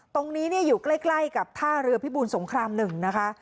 ตรงนี้อยู่ใกล้กับท่าเรือพิบูรสงคราม๑นะคะ